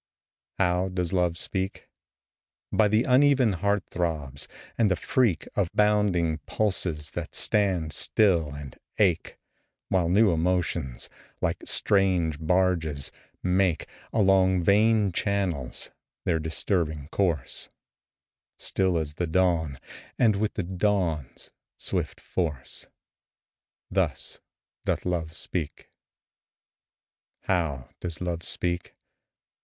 How does Love speak? By the uneven heart throbs, and the freak Of bounding pulses that stand still and ache, While new emotions, like strange barges, make Along vein channels their disturbing course; Still as the dawn, and with the dawn's swift force Thus doth Love speak. How does Love speak?